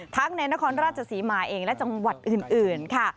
ในนครราชศรีมาเองและจังหวัดอื่นค่ะ